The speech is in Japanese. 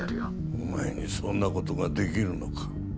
お前にそんなことができるのか？